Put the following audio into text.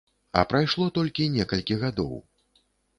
А прайшло толькі некалькі гадоў.